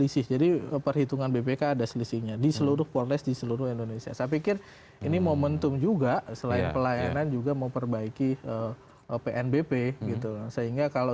sampai jumpa di video selanjutnya